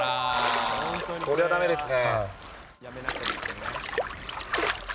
これはだめですね。